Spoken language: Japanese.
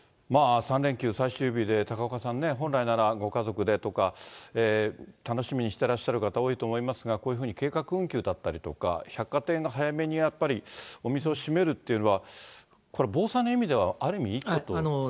３連休最終日で、高岡さんね、本来ならご家族でとか、楽しみにしてらっしゃる方、多いと思いますが、こういうふうに計画運休だったりとか、百貨店が早めにお店を閉めるというのは、これ、防災の意味では、いいことですよね。